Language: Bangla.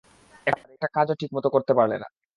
একটা কাজও ঠিক মতো করতে পারলে না।